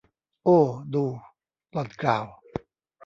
โอ้ ดู หล่อนกล่าว